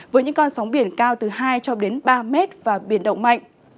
với những con sóng biển cao từ hai ba m và biển động mạnh